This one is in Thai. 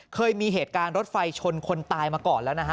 เคยมีเหตุการณ์รถไฟชนคนตายมาก่อนแล้วนะฮะ